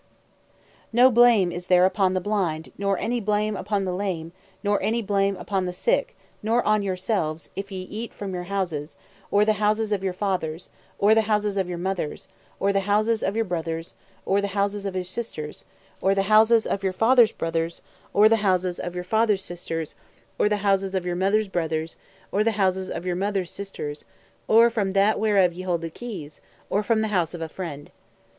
P: No blame is there upon the blind nor any blame upon the lame nor any blame upon the sick nor on yourselves if ye eat from your houses, or the houses of your fathers, or the houses of your mothers, or the houses of your brothers, or the houses of your sisters, or the houses of your fathers' brothers, or the houses of your fathers' sisters, or the houses of your mothers' brothers, or the houses of your mothers' sisters, or (from that) whereof ye hold the keys, or (from the house) of a friend.